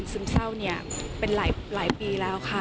หรือว่าคุณเป็นโรคสมิทราบนี้